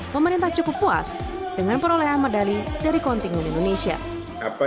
pemerintah cukup puas dengan perolehan medali dari kontingen indonesia